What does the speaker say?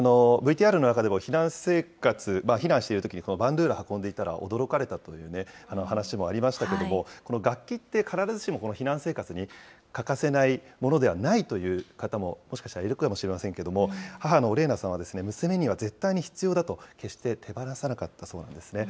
ＶＴＲの中でも避難生活、避難しているときにこのバンドゥーラを運んでいたら、驚かれたという話もありましたけれども、楽器って必ずしも避難生活に欠かせないものではないという方ももしかしたらいるかもしれませんけれども、母のオレーナさんは、娘には絶対に必要だと、決して手放さなかったそうなんですね。